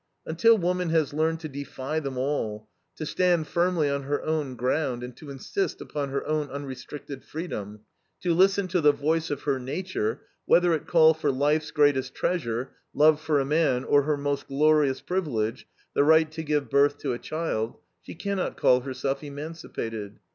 Until woman has learned to defy them all, to stand firmly on her own ground and to insist upon her own unrestricted freedom, to listen to the voice of her nature, whether it call for life's greatest treasure, love for a man, or her most glorious privilege, the right to give birth to a child, she cannot call herself emancipated.